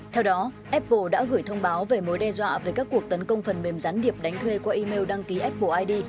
theo đó apple đã gửi thông báo về mối đe dọa về các cuộc tấn công phần mềm gián điệp đánh thuê qua email đăng ký apple id